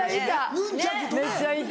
めっちゃいた。